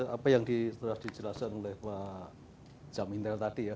apa yang telah dijelaskan oleh pak jamintar tadi ya